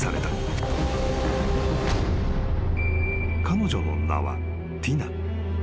［彼女の名はティナ］